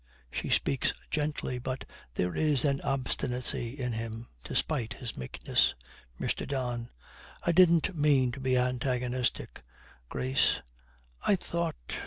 She speaks gently, but there is an obstinacy in him, despite his meekness. MR. DON. 'I didn't mean to be antagonistic, Grace. I thought.